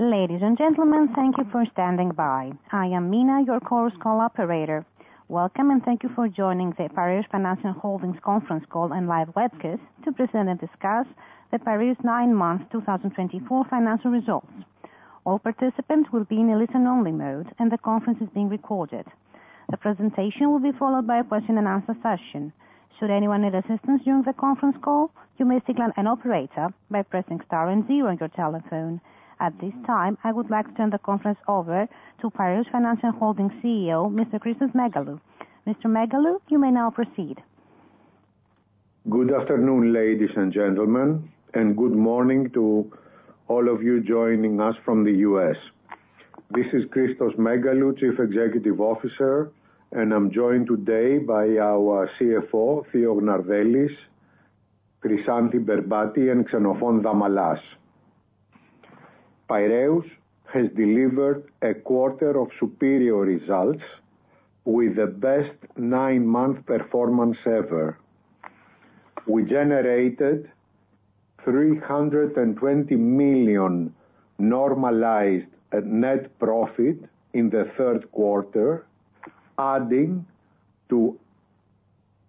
Ladies and gentlemen, thank you for standing by. I am Mina, your call's call operator. Welcome, and thank you for joining the Piraeus Financial Holdings conference call and live webcast to present and discuss the Piraeus nine months 2024 financial results. All participants will be in a listen-only mode, and the conference is being recorded. The presentation will be followed by a question-and-answer session. Should anyone need assistance during the conference call, you may signal an operator by pressing star and zero on your telephone. At this time, I would like to turn the conference over to Piraeus Financial Holdings CEO, Mr. Christos Megalou. Mr. Megalou, you may now proceed. Good afternoon, ladies and gentlemen, and good morning to all of you joining us from the US. This is Christos Megalou, Chief Executive Officer, and I'm joined today by our CFO, Theodore Gnardellis, Chryssanthi Berbati, and Xenofon Damalas. Piraeus has delivered a quarter of superior results with the best 9-month performance ever. We generated 320 million normalized net profit in the third quarter, adding to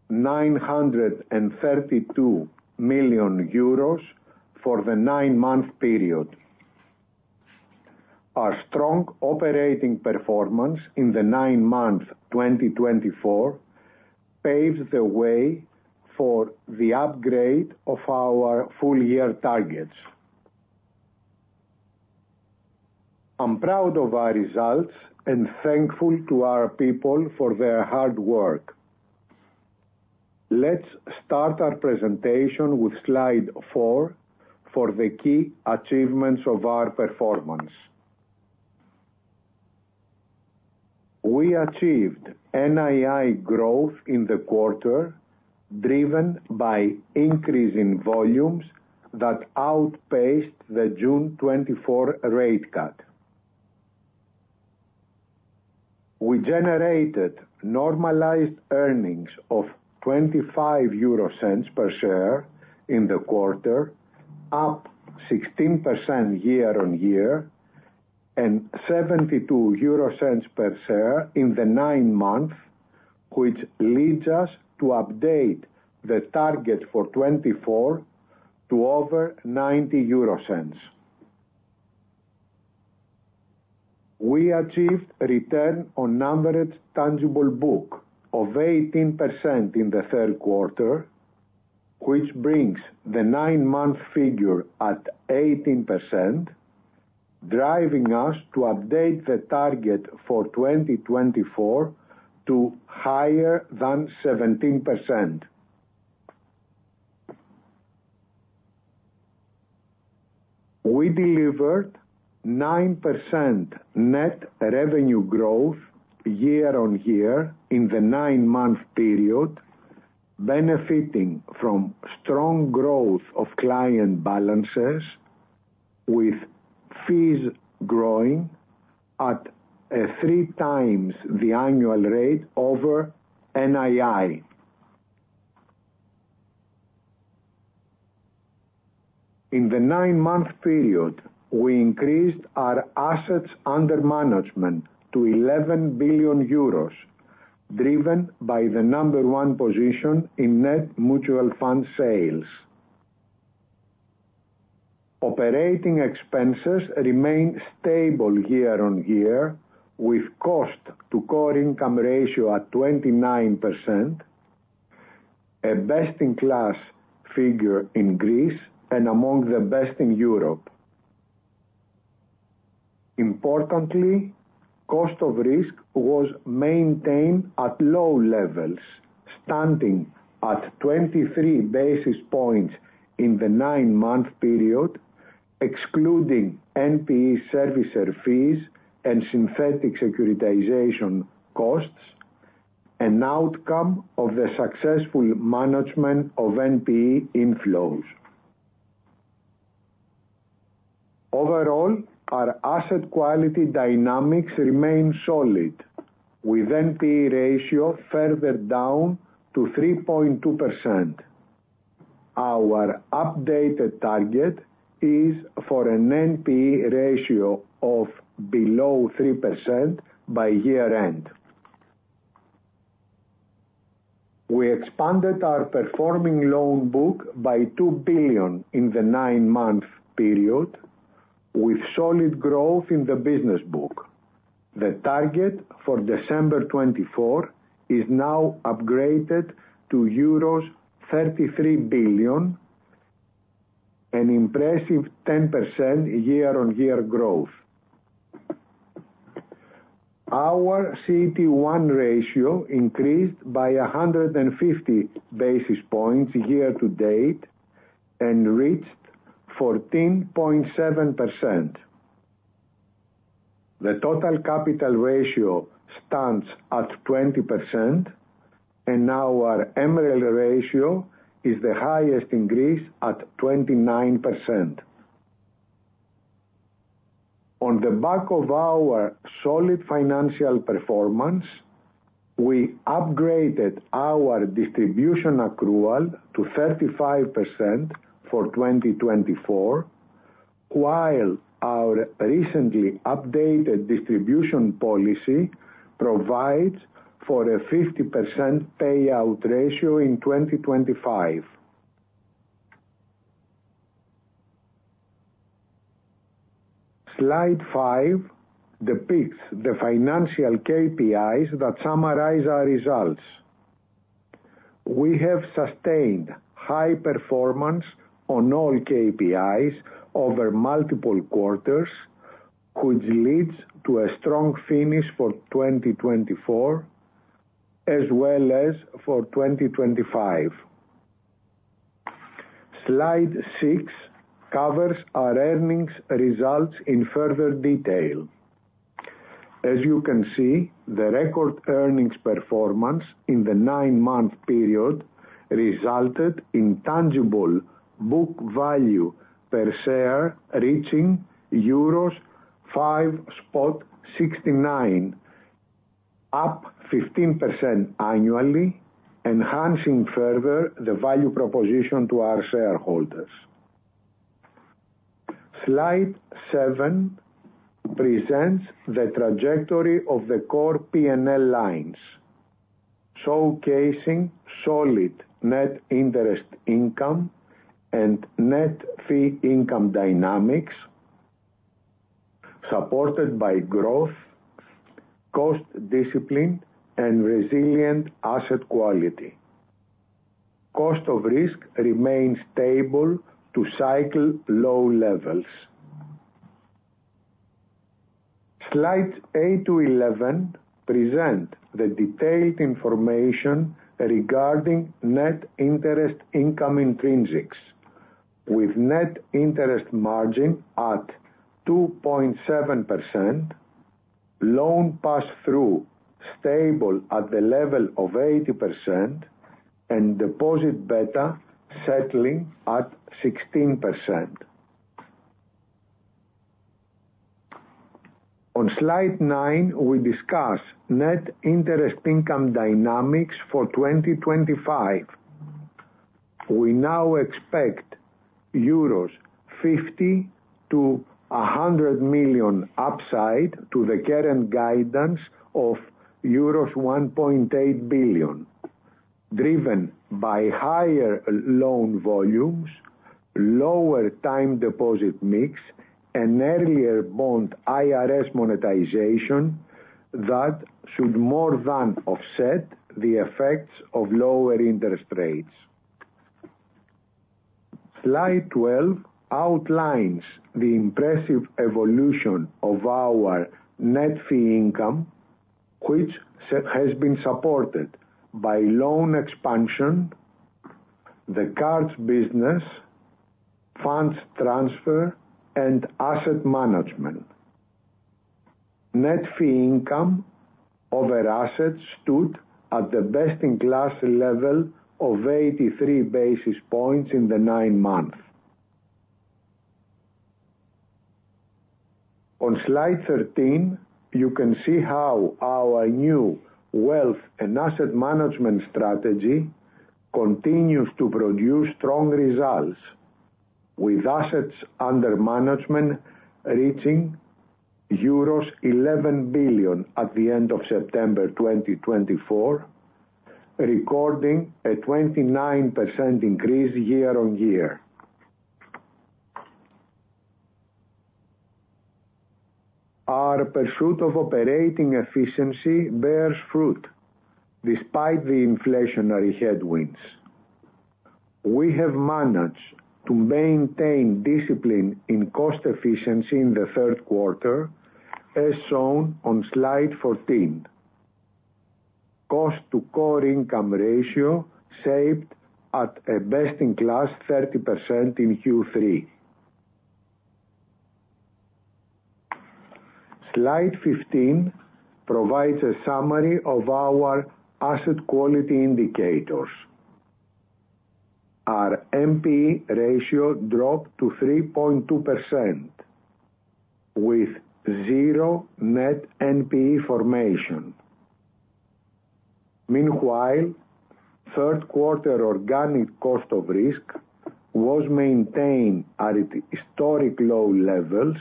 932 million euros for the 9-month period. Our strong operating performance in the 9 months 2024 paves the way for the upgrade of our full-year targets. I'm proud of our results and thankful to our people for their hard work. Let's start our presentation with slide four for the key achievements of our performance. We achieved NII growth in the quarter driven by increasing volumes that outpaced the June 2024 rate cut. We generated normalized earnings of 0.25 per share in the quarter, up 16% year-on-year, and EUR 0.72 per share in the nine months, which leads us to update the target for 2024 to over EUR 0.90. We achieved return on average tangible book of 18% in the third quarter, which brings the nine-month figure at 18%, driving us to update the target for 2024 to higher than 17%. We delivered 9% net revenue growth year-on-year in the nine-month period, benefiting from strong growth of client balances with fees growing at 3x the annual rate over NII. In the nine-month period, we increased our assets under management to 11 billion euros, driven by the number one position in net mutual fund sales. Operating expenses remain stable year-on-year, with cost-to-core income ratio at 29%, a best-in-class figure in Greece and among the best in Europe. Importantly, cost of risk was maintained at low levels, standing at 23 basis points in the nine-month period, excluding NPE servicer fees and synthetic securitization costs, an outcome of the successful management of NPE inflows. Overall, our asset quality dynamics remain solid, with NPE ratio further down to 3.2%. Our updated target is for an NPE ratio of below 3% by year-end. We expanded our performing loan book by 2 billion in the 9-month period, with solid growth in the business book. The target for December 2024 is now upgraded to euros 33 billion, an impressive 10% year-on-year growth. Our CET1 ratio increased by 150 basis points year-to-date and reached 14.7%. The total capital ratio stands at 20%, and our MREL ratio is the highest in Greece at 29%. On the back of our solid financial performance, we upgraded our distribution accrual to 35% for 2024, while our recently updated distribution policy provides for a 50% payout ratio in 2025. Slide five depicts the financial KPIs that summarize our results. We have sustained high performance on all KPIs over multiple quarters, which leads to a strong finish for 2024 as well as for 2025. Slide six covers our earnings results in further detail. As you can see, the record earnings performance in the nine-month period resulted in tangible book value per share reaching euros 5.69, up 15% annually, enhancing further the value proposition to our shareholders. Slide seven presents the trajectory of the core P&L lines, showcasing solid net interest income and net fee income dynamics supported by growth, cost discipline, and resilient asset quality. cost of risk remains stable to cycle low levels. Slides eight to 11 present the detailed information regarding net interest income intrinsics, with net interest margin at 2.7%, loan pass-through stable at the level of 80%, and deposit beta settling at 16%. On slide nine, we discuss net interest income dynamics for 2025. We now expect 50 million-100 million euros upside to the current guidance of euros 1.8 billion, driven by higher loan volumes, lower time deposit mix, and earlier bond IRS monetization that should more than offset the effects of lower interest rates. Slide 12 outlines the impressive evolution of our net fee income, which has been supported by loan expansion, the cards business, funds transfer, and asset management. Net fee income over assets stood at the best-in-class level of 83 basis points in the nine months. On slide 13, you can see how our new wealth and asset management strategy continues to produce strong results, with assets under management reaching euros 11 billion at the end of September 2024, recording a 29% increase year-on-year. Our pursuit of operating efficiency bears fruit despite the inflationary headwinds. We have managed to maintain discipline in cost efficiency in the third quarter, as shown on slide 14. Cost-to-core income ratio shaped at a best-in-class 30% in Q3. Slide 15 provides a summary of our asset quality indicators. Our NPE ratio dropped to 3.2%, with zero net NPE formation. Meanwhile, third quarter organic cost of risk was maintained at historic low levels,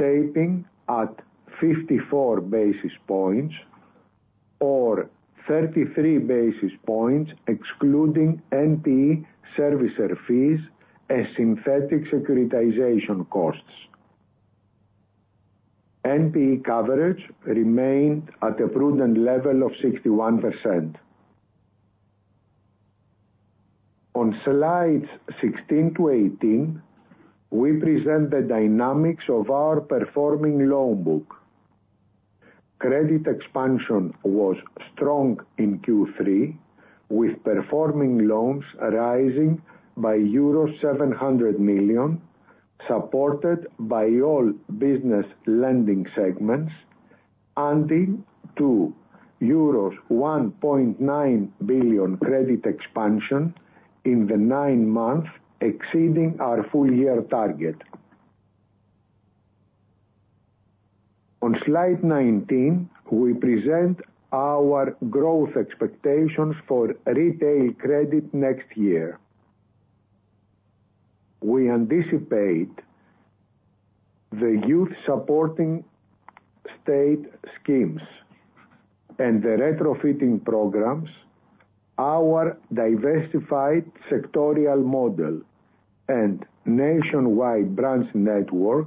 shaping at 54 basis points or 33 basis points excluding NPE servicer fees and synthetic securitization costs. NPE coverage remained at a prudent level of 61%. On slides 16 to 18, we present the dynamics of our performing loan book. Credit expansion was strong in Q3, with performing loans rising by euro 700 million, supported by all business lending segments, adding to euros 1.9 billion credit expansion in the nine months, exceeding our full-year target. On slide 19, we present our growth expectations for retail credit next year. We anticipate the youth-supporting state schemes and the retrofitting programs, our diversified sectoral model, and nationwide branch network,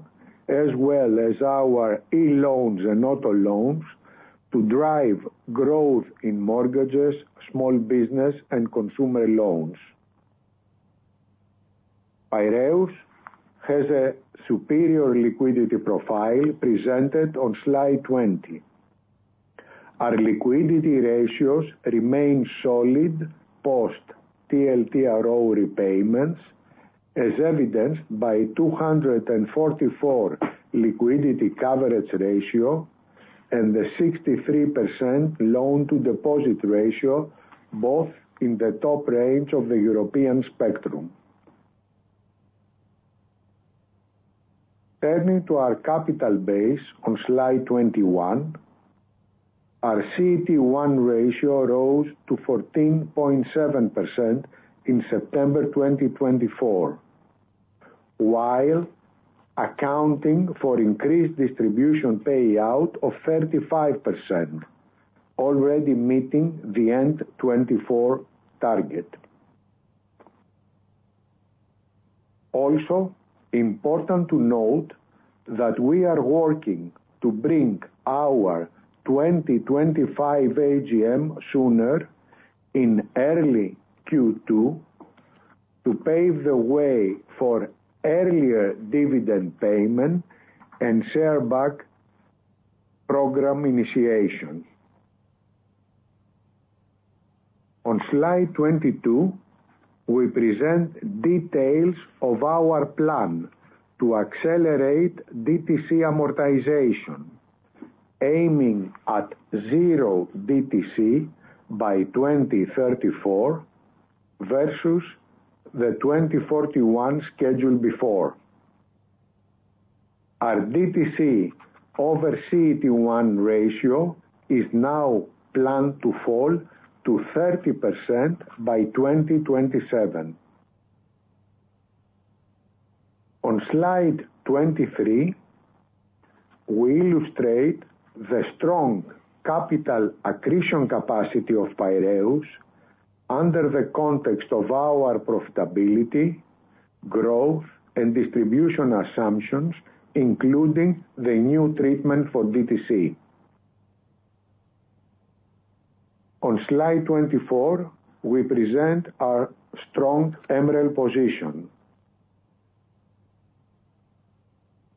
as well as our e-loans and auto loans to drive growth in mortgages, small business, and consumer loans. Piraeus has a superior liquidity profile presented on slide 20. Our liquidity ratios remain solid post-TLTRO repayments, as evidenced by 244% liquidity coverage ratio and the 63% loan-to-deposit ratio, both in the top range of the European spectrum. Turning to our capital base on slide 21, our CET1 ratio rose to 14.7% in September 2024, while accounting for increased distribution payout of 35%, already meeting the end-2024 target. Also, important to note that we are working to bring our 2025 AGM sooner in early Q2 to pave the way for earlier dividend payment and share buyback program initiation. On slide 22, we present details of our plan to accelerate DTC amortization, aiming at zero DTC by 2034 versus the 2041 schedule before. Our DTC over CET1 ratio is now planned to fall to 30% by 2027. On slide 23, we illustrate the strong capital accretion capacity of Piraeus under the context of our profitability, growth, and distribution assumptions, including the new treatment for DTC. On slide 24, we present our strong MREL position.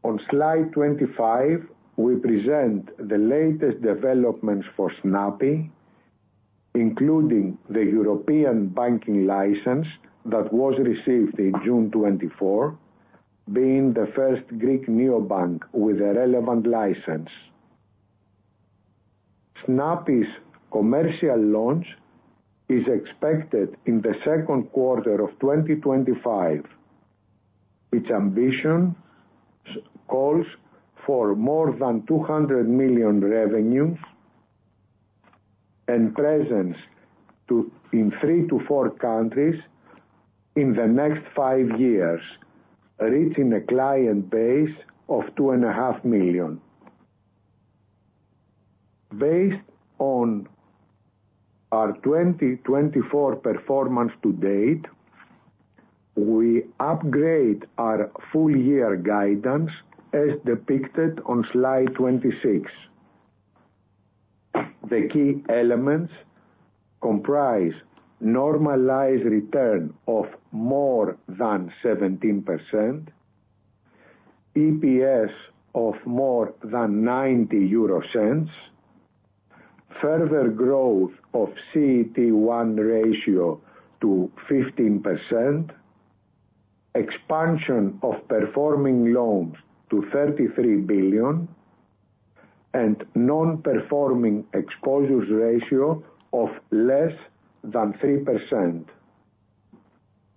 On slide 25, we present the latest developments for Snappi, including the European banking license that was received in June 2024, being the first Greek neobank with a relevant license. Snappi's commercial launch is expected in the second quarter of 2025. Its ambition calls for more than 200 million revenues and presence in three to four countries in the next five years, reaching a client base of 2.5 million. Based on our 2024 performance to date, we upgrade our full-year guidance as depicted on slide 26. The key elements comprise normalized return of more than 17%, EPS of more than EUR 0.90, further growth of CET1 ratio to 15%, expansion of performing loans to 33 billion, and non-performing exposures ratio of less than 3%.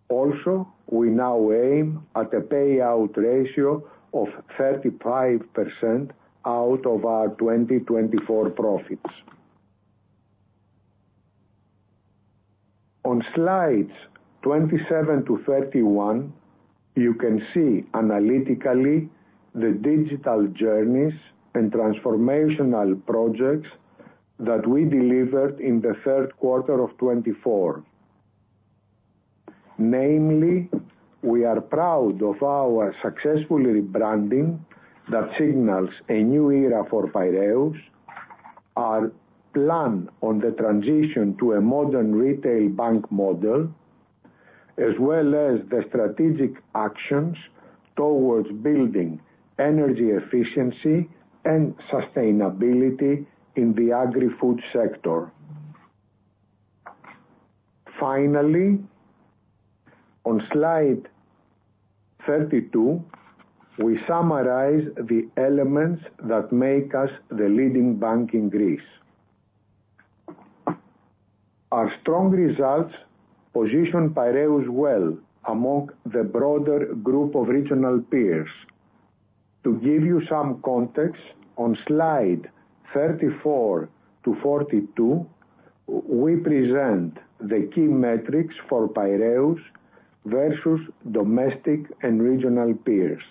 Also, we now aim at a payout ratio of 35% out of our 2024 profits. On slides 27-31, you can see analytically the digital journeys and transformational projects that we delivered in the third quarter of 2024. Namely, we are proud of our successful rebranding that signals a new era for Piraeus, our plan on the transition to a modern retail bank model, as well as the strategic actions towards building energy efficiency and sustainability in the agri-food sector. Finally, on slide 32, we summarize the elements that make us the leading bank in Greece. Our strong results position Piraeus well among the broader group of regional peers. To give you some context, on slide 34-42, we present the key metrics for Piraeus versus domestic and regional peers.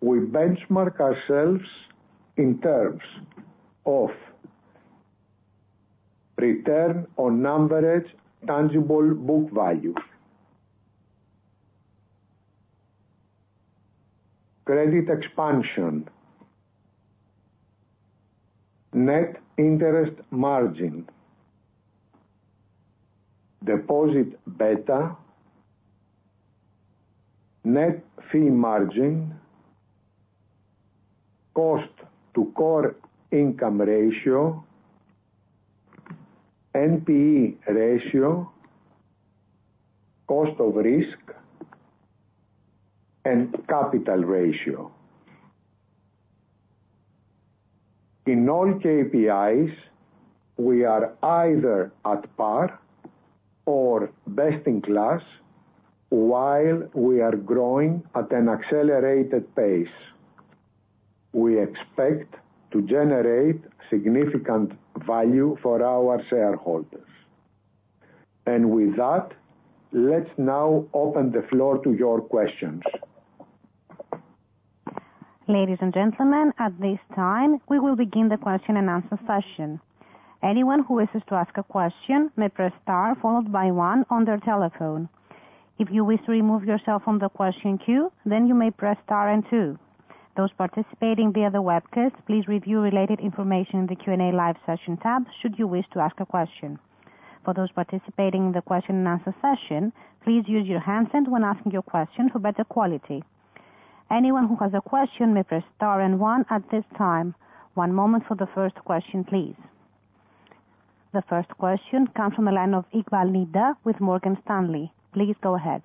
We benchmark ourselves in terms of return on average tangible book value, credit expansion, net interest margin, deposit beta, net fee margin, cost-to-core income ratio, NPE ratio, cost of risk, and capital ratio. In all KPIs, we are either at par or best-in-class, while we are growing at an accelerated pace. We expect to generate significant value for our shareholders. And with that, let's now open the floor to your questions. Ladies and gentlemen, at this time, we will begin the question-and-answer session. Anyone who wishes to ask a question may press star followed by one on their telephone. If you wish to remove yourself from the question queue, then you may press star and two. Those participating via the webcast, please review related information in the Q&A live session tab, should you wish to ask a question. For those participating in the question-and-answer session, please raise your hand when asking your question for better quality. Anyone who has a question may press star and one at this time. One moment for the first question, please. The first question comes from the line of Nida Iqbal with Morgan Stanley. Please go ahead.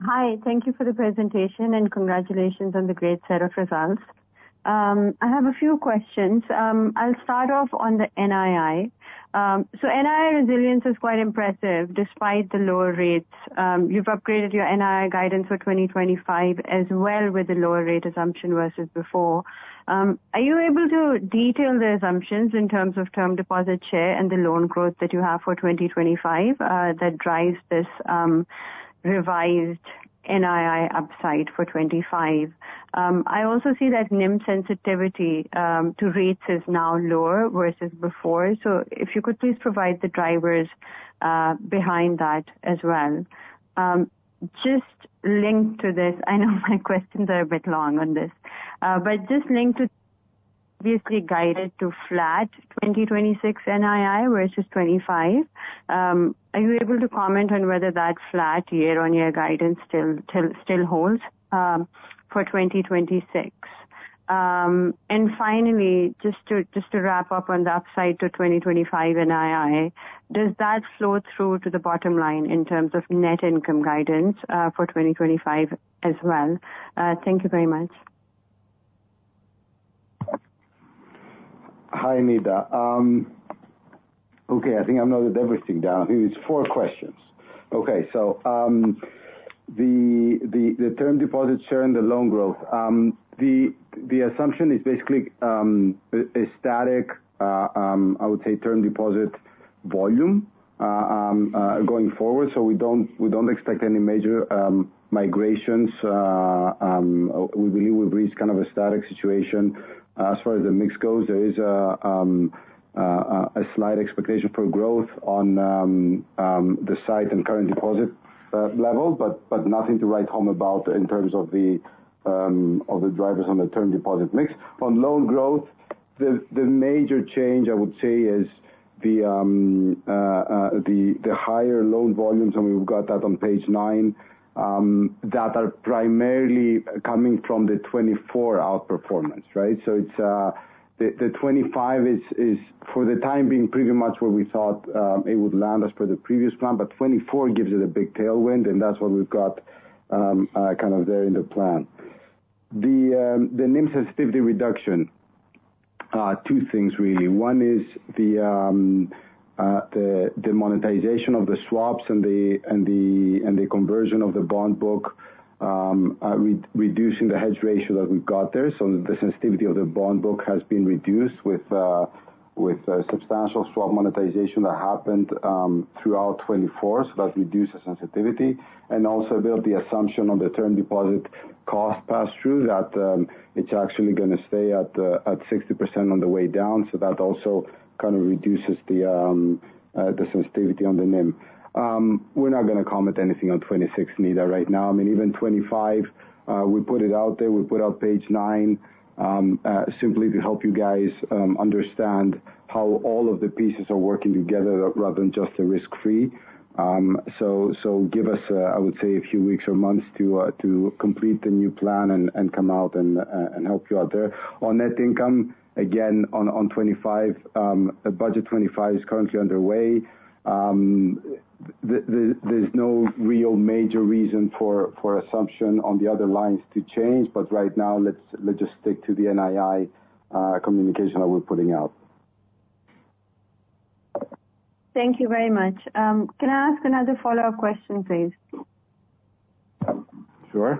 Hi. Thank you for the presentation and congratulations on the great set of results. I have a few questions. I'll start off on the NII. So NII resilience is quite impressive despite the lower rates. You've upgraded your NII guidance for 2025 as well with the lower rate assumption versus before. Are you able to detail the assumptions in terms of term deposit share and the loan growth that you have for 2025 that drives this revised NII upside for 2025? I also see that NIM sensitivity to rates is now lower versus before. So if you could please provide the drivers behind that as well. Just link to this. I know my questions are a bit long on this, but just link to obviously guided to flat 2026 NII versus 2025. Are you able to comment on whether that flat year-on-year guidance still holds for 2026? And finally, just to wrap up on the upside to 2025 NII, does that flow through to the bottomline in terms of net income guidance for 2025 as well? Thank you very much. Hi, Nida. Okay. I think I've noted everything down. I think it's four questions. Okay. So the term deposit share and the loan growth, the assumption is basically a static, I would say, term deposit volume going forward. So we don't expect any major migrations. We believe we've reached kind of a static situation. As far as the mix goes, there is a slight expectation for growth on the site and current deposit level, but nothing to write home about in terms of the drivers on the term deposit mix. On loan growth, the major change, I would say, is the higher loan volumes, and we've got that on page nine, that are primarily coming from the 2024 outperformance, right? So the 2025 is, for the time being, pretty much where we thought it would land as per the previous plan, but 2024 gives it a big tailwind, and that's what we've got kind of there in the plan. The NIM sensitivity reduction, two things really. One is the monetization of the swaps and the conversion of the bond book, reducing the hedge ratio that we've got there. So the sensitivity of the bond book has been reduced with substantial swap monetization that happened throughout 2024, so that reduced the sensitivity. And also a bit of the assumption on the term deposit cost pass-through that it's actually going to stay at 60% on the way down, so that also kind of reduces the sensitivity on the NIM. We're not going to comment anything on 2026, Nida, right now. I mean, even 2025, we put it out there. We put out page nine simply to help you guys understand how all of the pieces are working together rather than just the risk-free. So give us, I would say, a few weeks or months to complete the new plan and come out and help you out there. On net income, again, on 2025, budget 2025 is currently underway. There's no real major reason for assumption on the other lines to change, but right now, let's just stick to the NII communication that we're putting out. Thank you very much. Can I ask another follow-up question, please? Sure.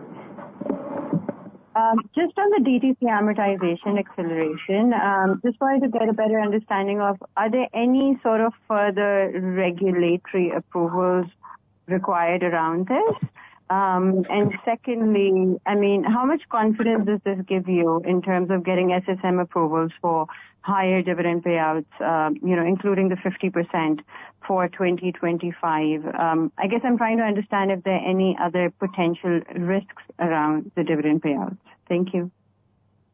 Just on the DTC amortization acceleration, just wanted to get a better understanding of, are there any sort of further regulatory approvals required around this? And secondly, I mean, how much confidence does this give you in terms of getting SSM approvals for higher dividend payouts, including the 50% for 2025? I guess I'm trying to understand if there are any other potential risks around the dividend payouts. Thank you.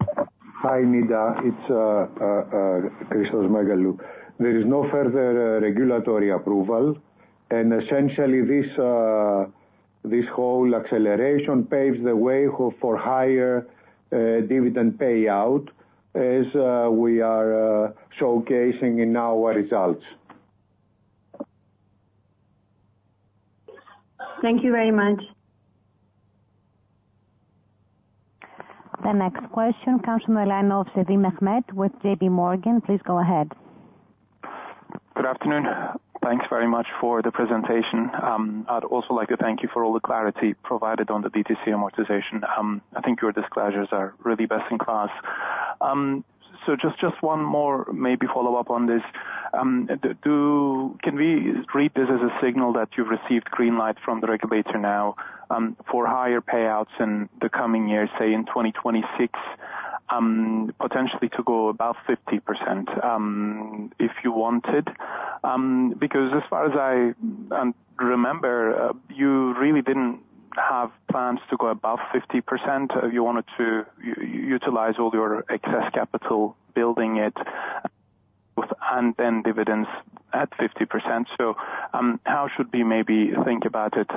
Hi, Nida. It's Christos Megalou. There is no further regulatory approval, and essentially, this whole acceleration paves the way for higher dividend payout as we are showcasing in our results. Thank you very much. The next question comes from the line of Mehmet Sevim with JP Morgan. Please go ahead. Good afternoon. Thanks very much for the presentation. I'd also like to thank you for all the clarity provided on the DTC amortization. I think your disclosures are really best-in-class. So just one more maybe follow-up on this. Can we read this as a signal that you've received green light from the regulator now for higher payouts in the coming years, say in 2026, potentially to go above 50% if you wanted? Because as far as I remember, you really didn't have plans to go above 50%. You wanted to utilize all your excess capital, building it, and then dividends at 50%. So how should we maybe think about it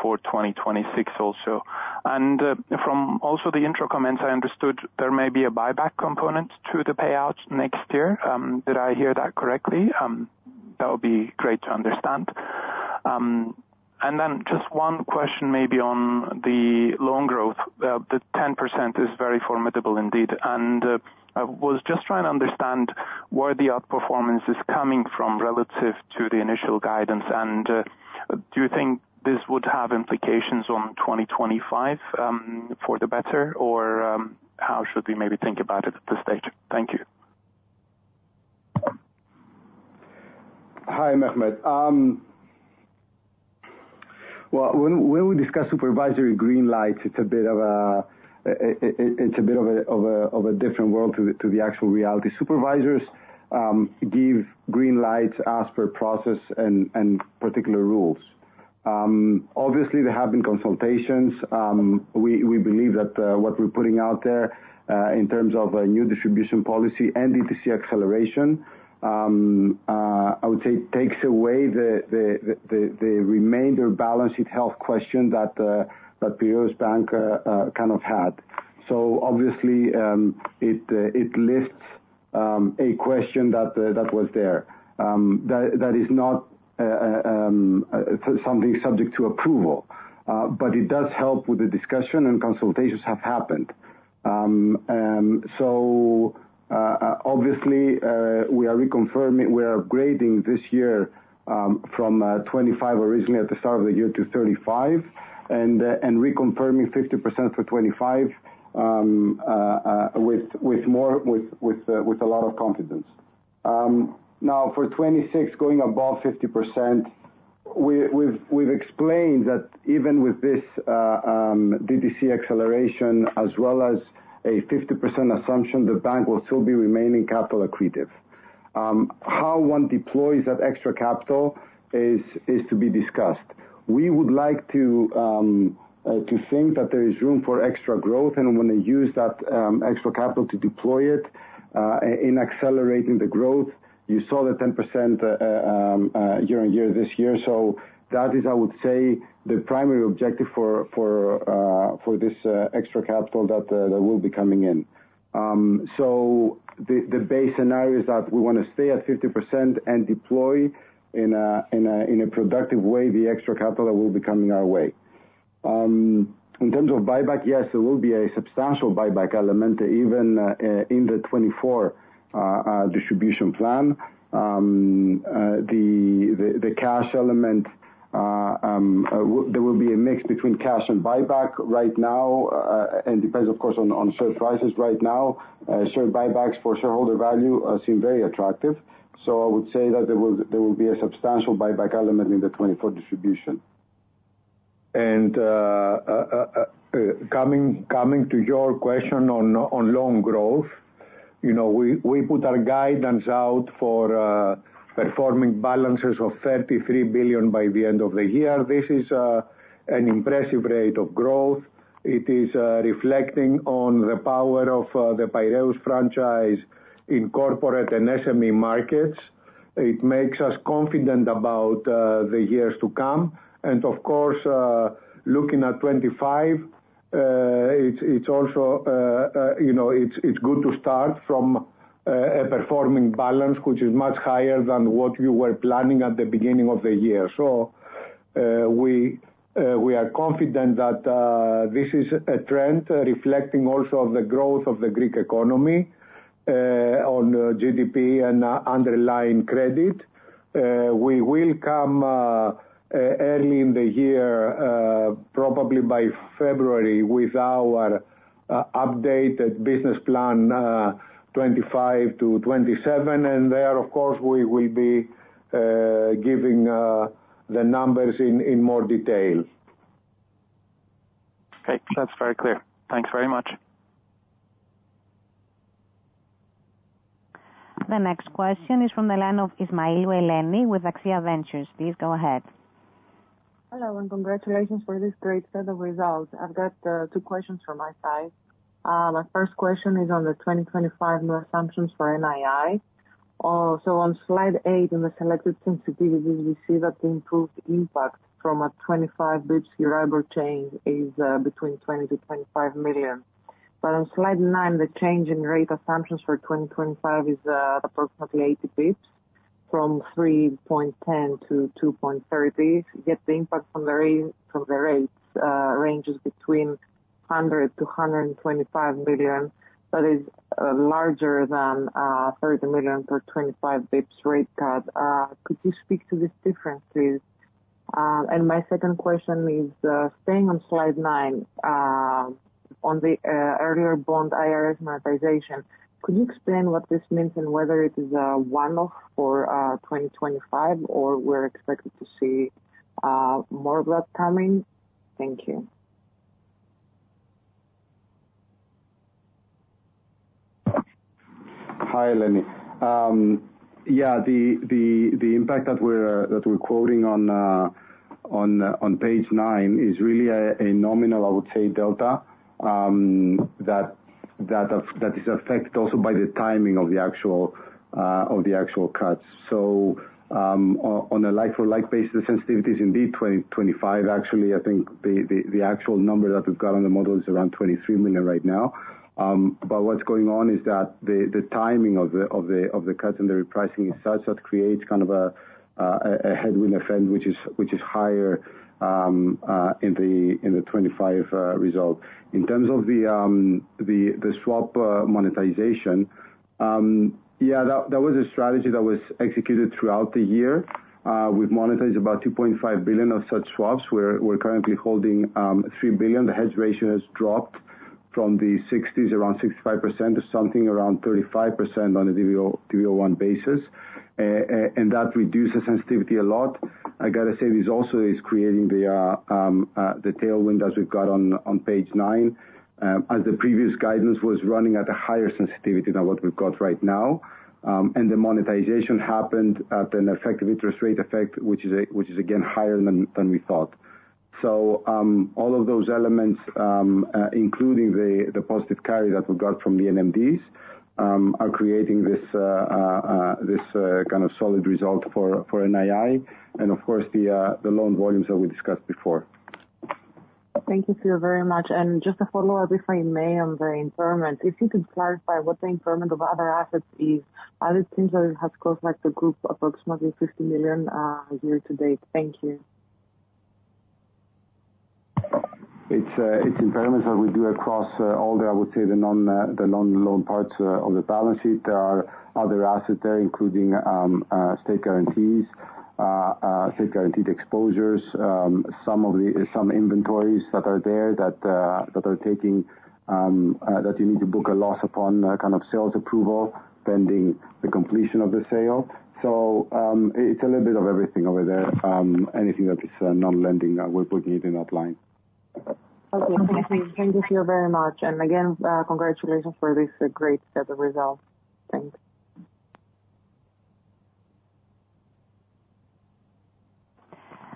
for 2026 also? And from also the intro comments, I understood there may be a buyback component to the payouts next year. Did I hear that correctly? That would be great to understand. And then just one question maybe on the loan growth. The 10% is very formidable indeed. And I was just trying to understand where the outperformance is coming from relative to the initial guidance. And do you think this would have implications on 2025 for the better, or how should we maybe think about it at this stage? Thank you. Hi, Mehmet. Well, when we discuss supervisory green lights, it's a bit of a different world to the actual reality. Supervisors give green lights as per process and particular rules. Obviously, there have been consultations. We believe that what we're putting out there in terms of a new distribution policy and DTC acceleration, I would say, takes away the remainder balance sheet health question that Piraeus Bank kind of had. So obviously, it lifts a question that was there that is not something subject-to-approval, but it does help with the discussion, and consultations have happened. So obviously, we are upgrading this year from 25% originally at the start of the year to 35% and reconfirming 50% for 2025 with a lot of confidence. Now, for 2026, going above 50%, we've explained that even with this DTC acceleration as well as a 50% assumption, the bank will still be remaining capital accretive. How one deploys that extra capital is to be discussed. We would like to think that there is room for extra growth, and we're going to use that extra capital to deploy it in accelerating the growth. You saw the 10% year-on-year this year. So that is, I would say, the primary objective for this extra capital that will be coming in. The base scenario is that we want to stay at 50% and deploy in a productive way the extra capital that will be coming our way. In terms of buyback, yes, there will be a substantial buyback element even in the 2024 distribution plan. The cash element, there will be a mix between cash and buyback right now, and depends, of course, on share prices right now. Share buybacks for shareholder value seem very attractive. So I would say that there will be a substantial buyback element in the 2024 distribution. And coming to your question on loan growth, we put our guidance out for performing balances of 33 billion by the end of the year. This is an impressive rate of growth. It is reflecting on the power of the Piraeus Franchise in corporate and SME markets. It makes us confident about the years to come. And of course, looking at 2025, it's also good to start from a performing balance, which is much higher than what you were planning at the beginning of the year. So we are confident that this is a trend reflecting also the growth of the Greek economy on GDP and underlying credit. We will come early in the year, probably by February, with our updated Business Plan 2025 to 2027. And there, of course, we will be giving the numbers in more detail. Okay. That's very clear. Thanks very much. The next question is from the line of Eleni Ismailou with Axia Ventures. Please go ahead. Hello, and congratulations for this great set of results. I've got two questions from my side. My first question is on the 2025 new assumptions for NII. So on slide eight in the selected sensitivities, we see that the improved impact from a 25 basis point Euribor change is between 20 million to 25 million. But on slide nine, the change in rate assumptions for 2025 is at approximately 80 basis points from 3.10 to 2.30, yet the impact from the rates ranges between 100 million to 125 million. That is larger than 30 million per 25 basis points rate cut. Could you speak to this difference, please? And my second question is staying on slide nine on the earlier bond IRS monetization. Could you explain what this means and whether it is a one-off for 2025, or we're expected to see more of that coming? Thank you. Hi, Eleni. Yeah, the impact that we're quoting on page nine is really a nominal, I would say, delta that is affected also by the timing of the actual cuts. On a like-for-like basis, the sensitivity is indeed 2025. Actually, I think the actual number that we've got on the model is around 23 million right now. But what's going on is that the timing of the cuts and the repricing is such that creates kind of a headwind effect, which is higher in the 2025 result. In terms of the swap monetization, yeah, that was a strategy that was executed throughout the year. We've monetized about 2.5 billion of such swaps. We're currently holding 3 billion. The hedge ratio has dropped from the 60s, around 65% to something around 35% on a DV01 basis. And that reduces sensitivity a lot. I got to say this also is creating the tailwind as we've got on page nine, as the previous guidance was running at a higher sensitivity than what we've got right now. And the monetization happened at an effective interest rate effect, which is, again, higher than we thought. So all of those elements, including the positive carry that we've got from the NMDs, are creating this kind of solid result for NII and, of course, the loan volumes that we discussed before. Thank you very much. And just a follow-up, if I may, on the impairment. If you could clarify what the impairment of other assets is, as it seems that it has cost the group approximately 50 million year-to-date. Thank you. It's impairments that we do across all the, I would say, the non-loan parts of the balance sheet. There are other assets there, including state guarantees, state-guaranteed exposures, some inventories that are there that are taking that you need to book a loss upon kind of sales approval pending the completion of the sale. So it's a little bit of everything over there. Anything that is non-lending, we're putting it in outline. Okay. Thank you very much. And again, congratulations for this great set of results. Thanks.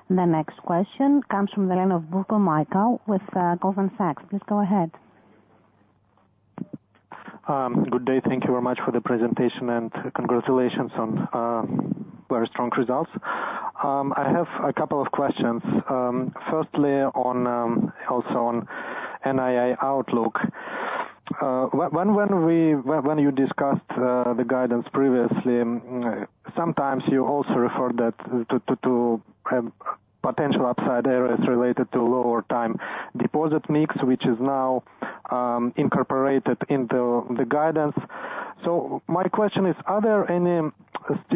The next question comes from the line of Mikhail Butkov with Goldman Sachs. Please go ahead. Good day. Thank you very much for the presentation and congratulations on very strong results. I have a couple of questions. Firstly, also on NII outlook. When you discussed the guidance previously, sometimes you also referred to potential upside areas related to lower time deposit mix, which is now incorporated into the guidance. So my question is, are there any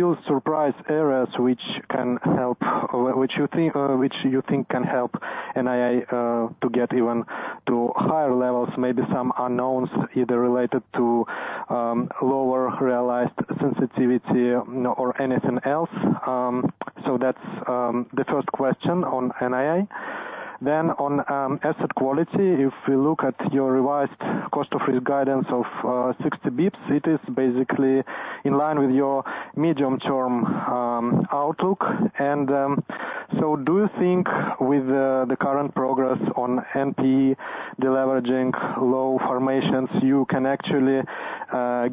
still surprise areas which can help, which you think can help NII to get even to higher levels, maybe some unknowns either related to lower realized sensitivity or anything else? So that's the first question on NII. On asset quality, if we look at your revised cost of risk guidance of 60 basis points, it is basically in line with your medium-term outlook. So do you think with the current progress on NPE, the leveraging low formations, you can actually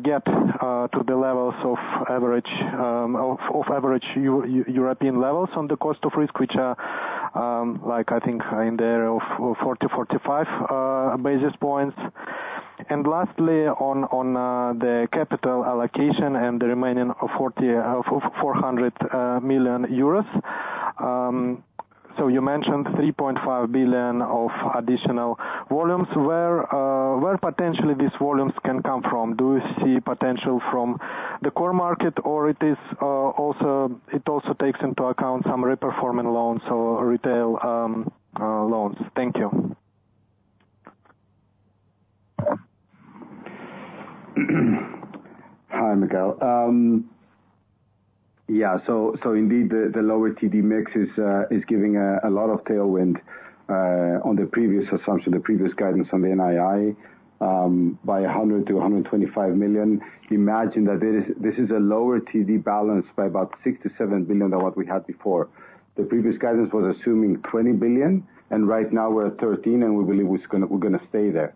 get to the levels of average European levels on the cost of risk, which are like, I think, in the area of 40-45 basis points? Lastly, on the capital allocation and the remaining 400 million euros. So you mentioned 3.5 billion of additional volumes. Where potentially these volumes can come from? Do you see potential from the core market, or it also takes into account some reperforming loans or retail loans? Thank you. Hi, Mikhail. Yeah. So indeed, the lower TD mix is giving a lot of tailwind on the previous assumption, the previous guidance on the NII by 100 million to 125 million. Imagine that this is a lower TD balance by about 6 billion-7 billion than what we had before. The previous guidance was assuming 20 billion, and right now we're at 13 billion, and we believe we're going to stay there.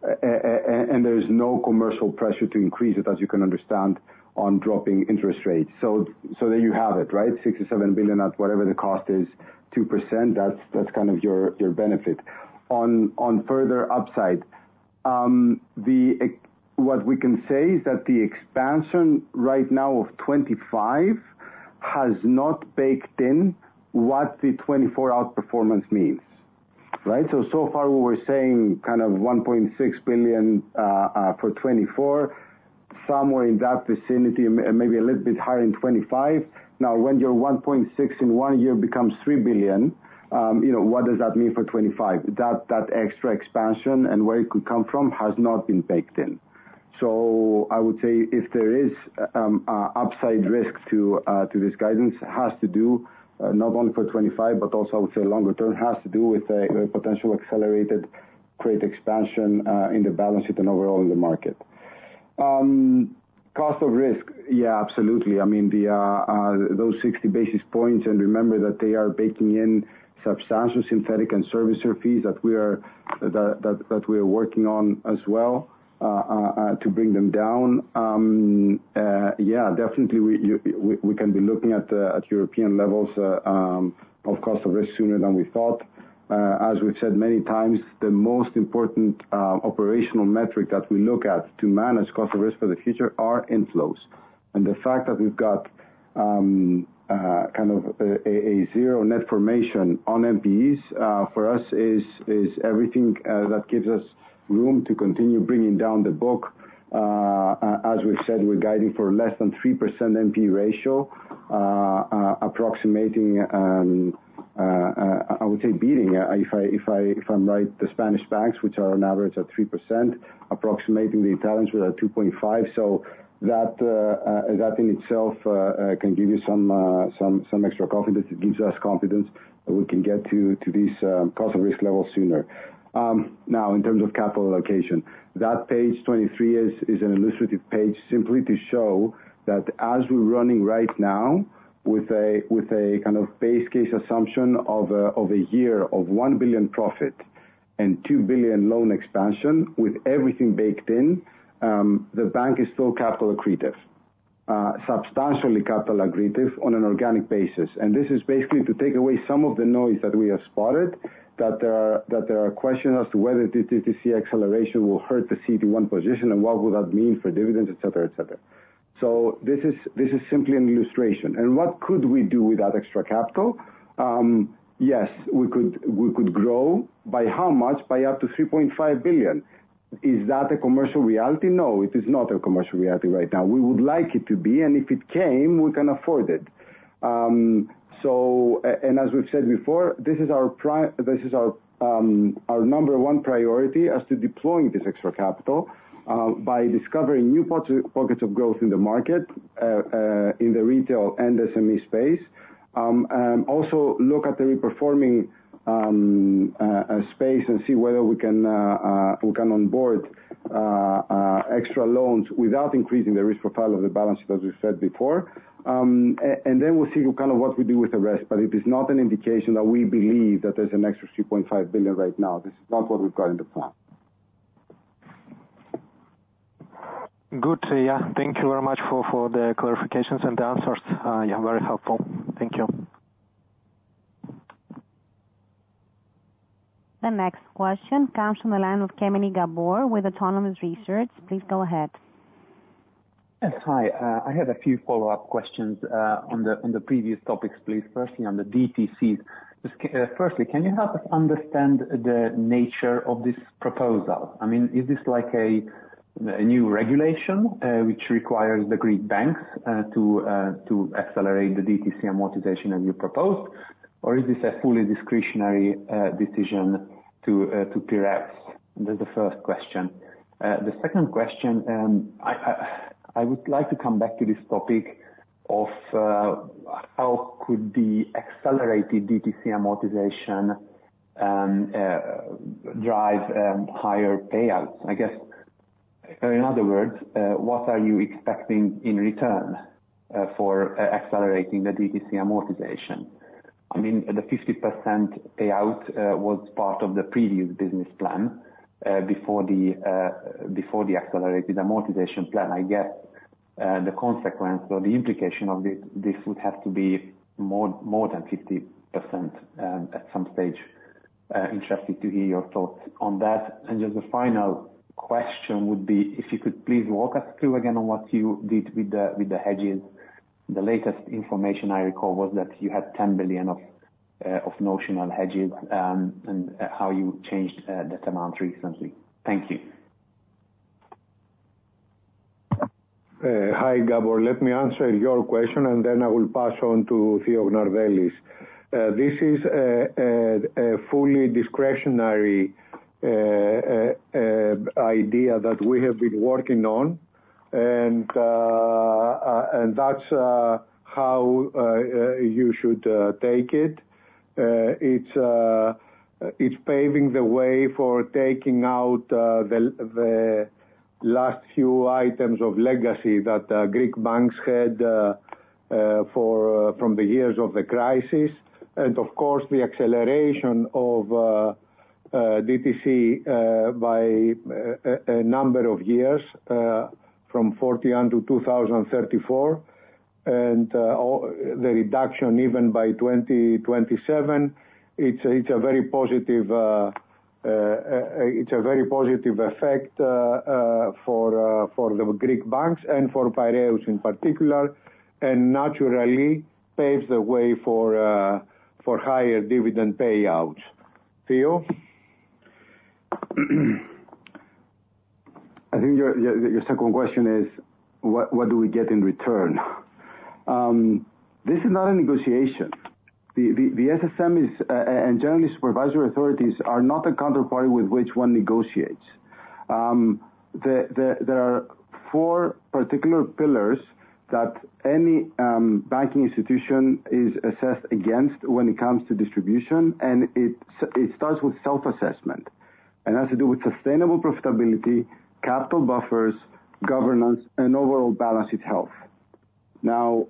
There's no commercial pressure to increase it, as you can understand, on dropping interest rates. So there you have it, right? 6 billion-7 billion at whatever the cost is, 2%, that's kind of your benefit. On further upside, what we can say is that the expansion right now of 2025 has not baked in what the 2024 outperformance means, right? So so far, we were saying kind of 1.6 billion for 2024, somewhere in that vicinity, maybe a little bit higher in 2025. Now, when your 1.6 billion in one year becomes 3 billion, what does that mean for 2025? That extra expansion and where it could come from has not been baked in. So I would say if there is upside risk to this guidance, it has to do not only for 2025, but also, I would say, longer term, it has to do with a potential accelerated rate expansion in the balance sheet and overall in the market. cost of risk, yeah, absolutely. I mean, those 60 basis points, and remember that they are baking in substantial synthetic and servicer fees that we are working on as well to bring them down. Yeah, definitely, we can be looking at European levels of cost of risk sooner than we thought. As we've said many times, the most important operational metric that we look at to manage cost of risk for the future are inflows. And the fact that we've got kind of a zero net formation on NPEs for us is everything that gives us room to continue bringing down the book. As we've said, we're guiding for less than 3% NPE ratio, approximating, I would say, beating, if I'm right, the Spanish banks, which are on average at 3%, approximating the Italians with a 2.5%. So that in itself can give you some extra confidence. It gives us confidence that we can get to these cost o f risk levels sooner. Now, in terms of capital allocation, that page 23 is an illustrative page simply to show that as we're running right now with a kind of base case assumption of a year of 1 billion profit and 2 billion loan expansion with everything baked in, the bank is still capital accretive, substantially capital accretive on an organic basis. This is basically to take away some of the noise that we have spotted, that there are questions as to whether TLTRO acceleration will hurt the CET1 position and what will that mean for dividends, etc., etc. So this is simply an illustration. And what could we do with that extra capital? Yes, we could grow. By how much? By up to 3.5 billion. Is that a commercial reality? No, it is not a commercial reality right now. We would like it to be, and if it came, we can afford it. And as we've said before, this is our number one priority as to deploying this extra capital by discovering new pockets of growth in the market, in the retail and SME space. Also look at the reperforming space and see whether we can onboard extra loans without increasing the risk profile of the balance sheet, as we've said before. And then we'll see kind of what we do with the rest. But it is not an indication that we believe that there's an extra 3.5 billion right now. This is not what we've got in the plan. Good. Yeah. Thank you very much for the clarifications and the answers. Yeah, very helpful. Thank you. The next question comes from the line of Gabor Kemeny with Autonomous Research. Please go ahead. Yes. Hi. I had a few follow-up questions on the previous topics, please. Firstly, on the DTCs. Firstly, can you help us understand the nature of this proposal? I mean, is this like a new regulation which requires the Greek banks to accelerate the DTC amortization as you proposed, or is this a fully discretionary decision to Piraeus? That's the first question. The second question, I would like to come back to this topic of how could the accelerated DTC amortization drive higher payouts? I guess, in other words, what are you expecting in return for accelerating the DTC amortization? I mean, the 50% payout was part of the previous business plan before the accelerated amortization plan. I guess the consequence or the implication of this would have to be more than 50% at some stage. Interested to hear your thoughts on that. And just the final question would be, if you could please walk us through again on what you did with the hedges. The latest information I recall was that you had 10 billion of notional hedges and how you changed that amount recently. Thank you. Hi, Gabor. Let me answer your question, and then I will pass on to Theo Gnardellis. This is a fully discretionary idea that we have been working on, and that's how you should take it. It's paving the way for taking out the last few items of legacy that Greek banks had from the years of the crisis. And of course, the acceleration of DTC by a number of years from 2041 to 2034 and the reduction even by 2027, it's a very positive effect for the Greek banks and for Piraeus in particular, and naturally paves the way for higher dividend payouts. Theo? I think your second question is, what do we get in return? This is not a negotiation. The SSM and general supervisory authorities are not a counterparty with which one negotiates. There are four particular pillars that any banking institution is assessed against when it comes to distribution, and it starts with self-assessment and has to do with sustainable profitability, capital buffers, governance, and overall balance sheet health. Now,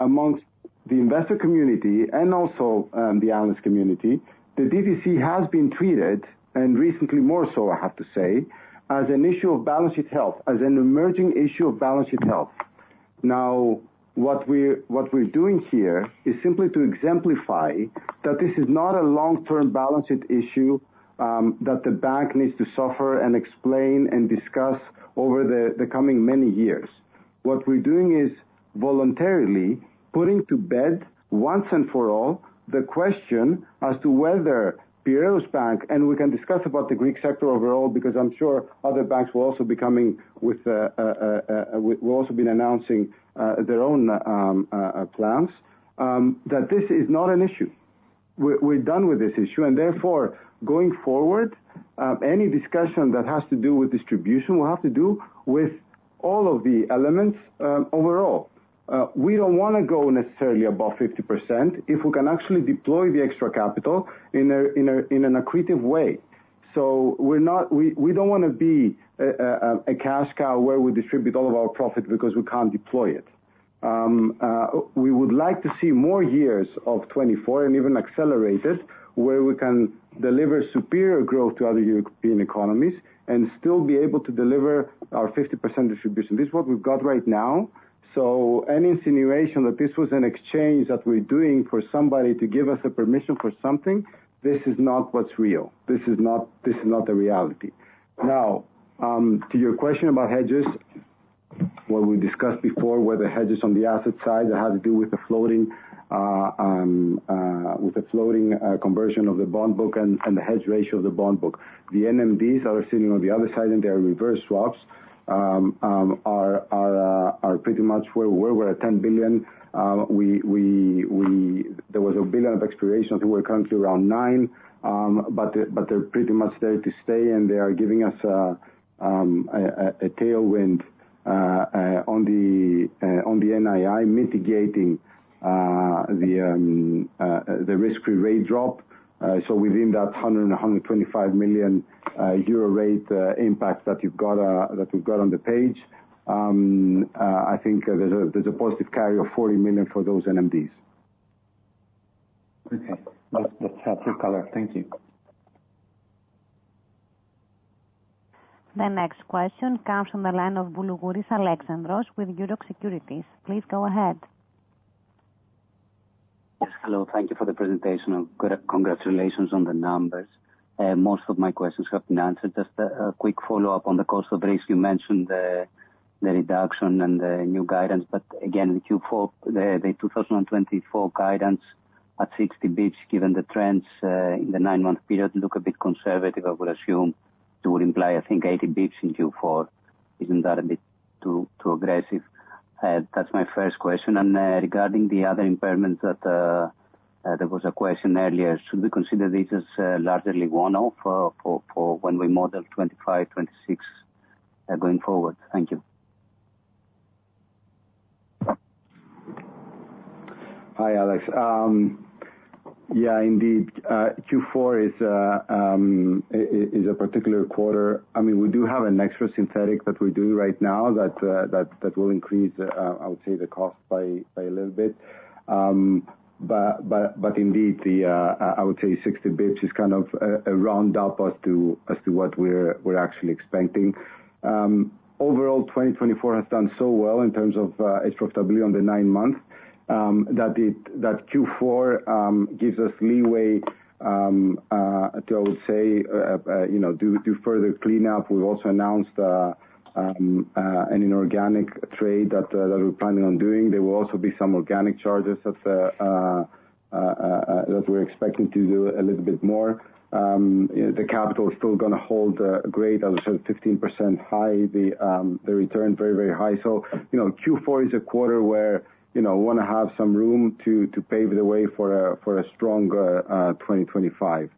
among the investor community and also the analyst community, the DTC has been treated, and recently more so, I have to say, as an issue of balance sheet health, as an emerging issue of balance sheet health. Now, what we're doing here is simply to exemplify that this is not a long-term balance sheet issue that the bank needs to suffer and explain and discuss over the coming many years. What we're doing is voluntarily putting to bed, once-and-for-all, the question as to whether Piraeus Bank, and we can discuss about the Greek sector overall because I'm sure other banks will also be announcing their own plans, that this is not an issue. We're done with this issue, and therefore, going forward, any discussion that has to do with distribution will have to do with all of the elements overall. We don't want to go necessarily above 50% if we can actually deploy the extra capital in an accretive way, so we don't want to be a cash cow where we distribute all of our profit because we can't deploy it. We would like to see more years of 2024 and even accelerate it where we can deliver superior growth to other European economies and still be able to deliver our 50% distribution. This is what we've got right now. So any insinuation that this was an exchange that we're doing for somebody to give us a permission for something, this is not what's real. This is not the reality. Now, to your question about hedges, what we discussed before, whether hedges on the asset side that have to do with the floating conversion of the bond book and the hedge ratio of the bond book. The NMDs that are sitting on the other side, and they are reverse swaps, are pretty much where we're at 10 billion. There was 1 billion of expirations. We're currently around nine, but they're pretty much there to stay, and they are giving us a tailwind on the NII mitigating the risk-free rate drop. So within that 100 million-125 million euro rate impact that you've got on the page, I think there's a positive carry of 40 million for those NMDs. Okay. That's helpful color. Thank you. The next question comes from the line of Alexandros Boulougouris with Euroxx Securities. Please go ahead. Yes. Hello. Thank you for the presentation. Congratulations on the numbers. Most of my questions have been answered. Just a quick follow-up on the cost of risk. You mentioned the reduction and the new guidance, but again, the 2024 guidance at 60 basis points, given the trends in the nine-month period, look a bit conservative, I would assume. It would imply, I think, 80 basis points in Q4. Isn't that a bit too aggressive? That's my first question. And regarding the other impairments that there was a question earlier, should we consider these as largely one-off for when we model 2025, 2026 going forward? Thank you. Hi, Alex. Yeah, indeed. Q4 is a particular quarter. I mean, we do have an extra synthetic that we're doing right now that will increase, I would say, the cost by a little bit. But indeed, I would say 60 basis points is kind of a roundup as to what we're actually expecting. Overall, 2024 has done so well in terms of its profitability on the nine months that Q4 gives us leeway to, I would say, do further cleanup. We've also announced an inorganic trade that we're planning on doing. There will also be some organic charges that we're expecting to do a little bit more. The capital is still going to hold great, as I said, 15% high, the return very, very high. So Q4 is a quarter where we want to have some room to pave the way for a stronger 2025.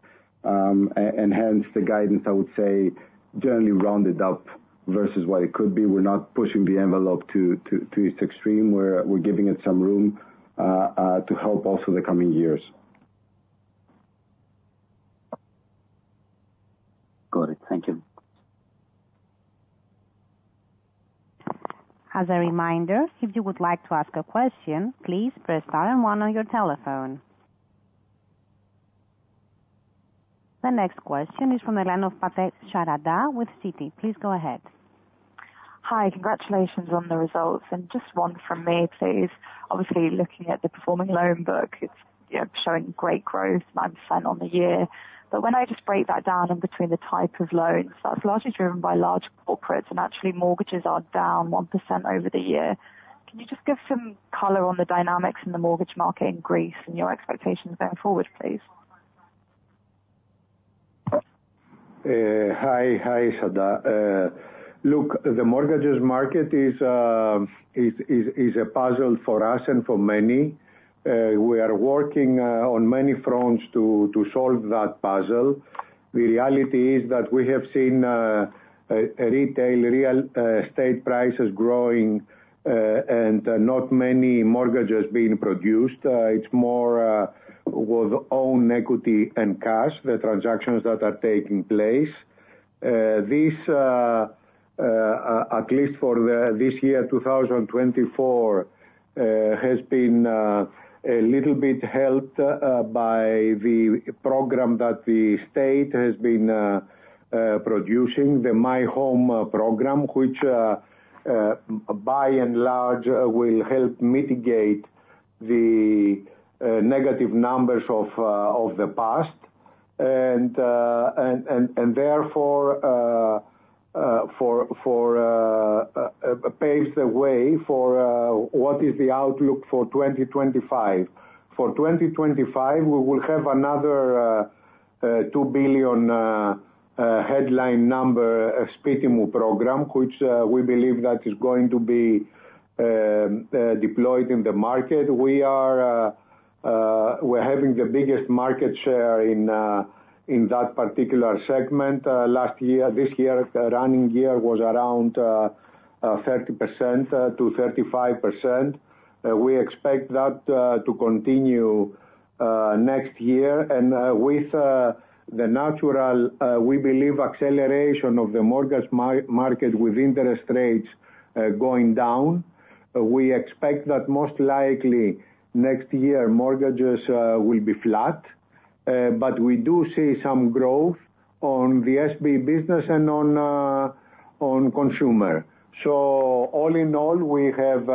And hence, the guidance, I would say, generally rounded up versus what it could be. We're not pushing the envelope to its extreme. We're giving it some room to help also the coming years. Got it. Thank you. As a reminder, if you would like to ask a question, please press star and one on your telephone. The next question is from the line of Sharada Patel with Citi. Please go ahead. Hi. Congratulations on the results. And just one from me, please. Obviously, looking at the performing loan book, it's showing great growth, 9% on the year. But when I just break that down in between the type of loans, that's largely driven by large corporates, and actually, mortgages are down 1% over the year. Can you just give some color on the dynamics in the mortgage market in Greece and your expectations going forward, please? Hi. Hi, Sharada. Look, the mortgages market is a puzzle for us and for many. We are working on many fronts to solve that puzzle. The reality is that we have seen retail real estate prices growing and not many mortgages being produced. It's more with own equity and cash, the transactions that are taking place. This, at least for this year, 2024, has been a little bit helped by the program that the state has been producing, the My Home Program, which, by and large, will help mitigate the negative numbers of the past and therefore pave the way for what is the outlook for 2025. For 2025, we will have another 2 billion headline number Spiti Mou program, which we believe that is going to be deployed in the market. We are having the biggest market share in that particular segment. This year, the running year was around 30%-35%. We expect that to continue next year. And with the natural, we believe, acceleration of the mortgage market with interest rates going down, we expect that most likely next year mortgages will be flat. But we do see some growth on the SB business and on consumer. So all in all, we have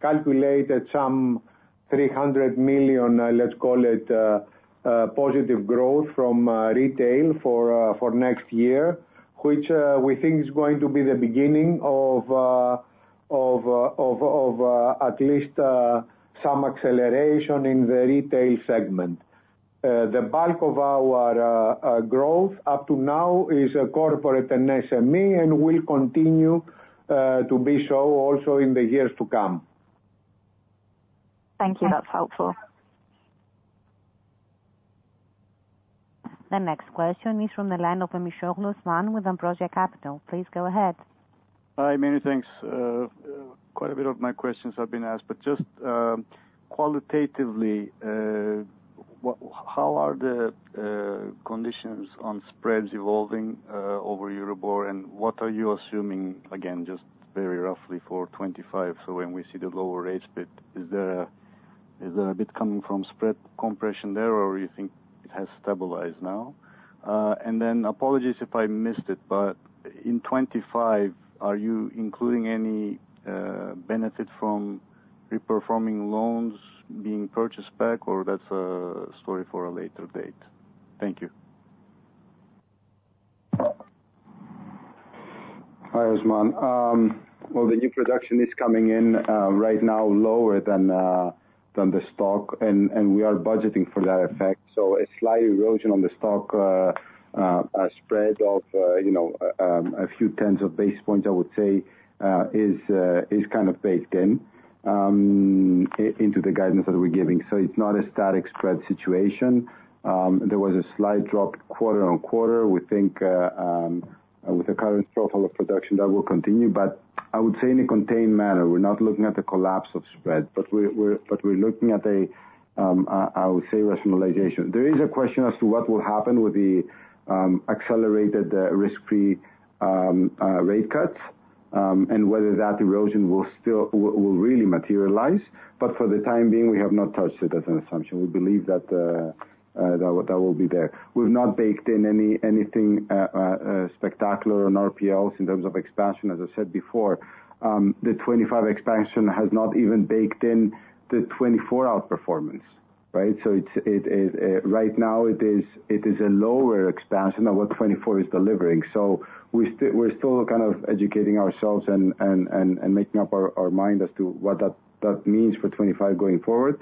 calculated some 300 million, let's call it, positive growth from retail for next year, which we think is going to be the beginning of at least some acceleration in the retail segment. The bulk of our growth up to now is corporate and SME and will continue to be so also in the years to come. Thank you. That's helpful. The next question is from the line of Osman Memisoglu with Ambrosia Capital. Please go ahead. Hi, many thanks. Quite a bit of my questions have been asked, but just qualitatively, how are the conditions on spreads evolving over Europe, and what are you assuming, again, just very roughly for 2025? So when we see the lower rates, is there a bit coming from spread compression there, or do you think it has stabilized now? Apologies if I missed it, but in 2025, are you including any benefit from reperforming loans being purchased back, or that's a story for a later date? Thank you. Hi, Osman. Well, the new production is coming in right now lower than the stock, and we are budgeting for that effect. So a slight erosion on the stock spread of a few tens of basis points, I would say, is kind of baked into the guidance that we're giving. So it's not a static spread situation. There was a slight drop quarter-on-quarter. We think with the current profile of production that will continue, but I would say in a contained manner. We're not looking at the collapse of spread, but we're looking at a, I would say, rationalization. There is a question as to what will happen with the accelerated risk-free rate cuts and whether that erosion will really materialize. But for the time being, we have not touched it as an assumption. We believe that that will be there. We've not baked in anything spectacular on RPLs in terms of expansion. As I said before, the 2025 expansion has not even baked in the 2024 outperformance, right? So right now, it is a lower expansion of what 2024 is delivering. So we're still kind of educating ourselves and making up our mind as to what that means for 2025 going forward.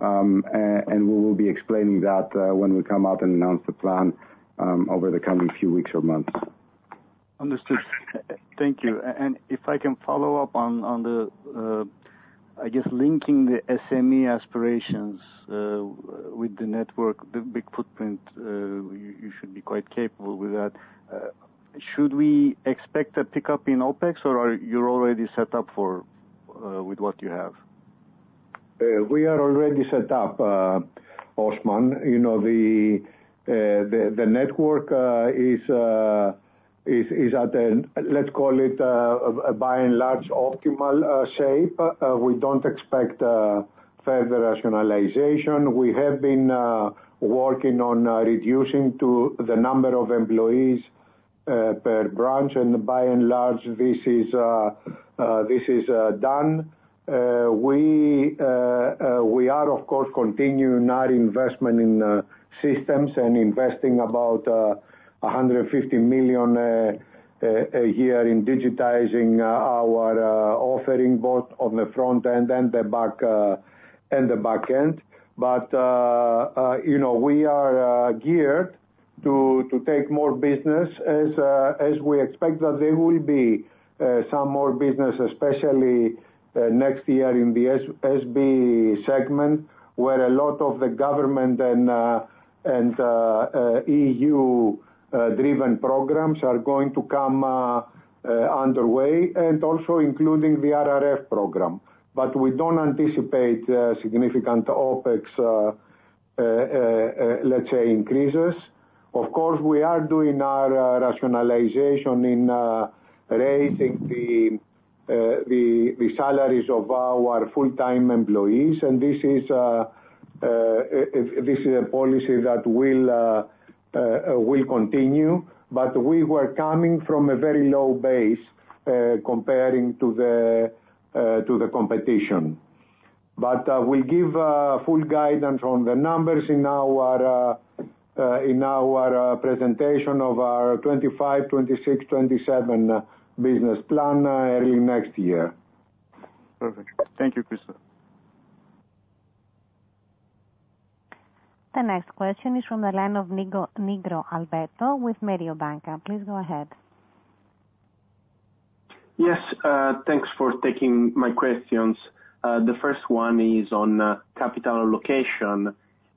And we will be explaining that when we come out and announce the plan over the coming few weeks or months. Understood. Thank you. If I can follow up on the, I guess, linking the SME aspirations with the network, the big footprint, you should be quite capable with that. Should we expect a pickup in OpEx, or are you already set up with what you have? We are already set up, Osman. The network is at a, let's call it, by and large, optimal shape. We don't expect further rationalization. We have been working on reducing the number of employees per branch, and by and large, this is done. We are, of course, continuing our investment in systems and investing about 150 million a year in digitizing our offering both on the front end and the back end. But we are geared to take more business as we expect that there will be some more business, especially next year in the SB segment, where a lot of the government and EU-driven programs are going to come underway and also including the RRF program. But we don't anticipate significant OpEx, let's say, increases. Of course, we are doing our rationalization in raising the salaries of our full-time employees, and this is a policy that will continue. But we were coming from a very low base comparing to the competition. But we'll give full guidance on the numbers in our presentation of our 2025, 2026, 2027 Business Plan early next year. Perfect. Thank you, Christos. The next question is from the line of Alberto Nigro with Mediobanca. Please go ahead. Yes. Thanks for taking my questions. The first one is on capital allocation.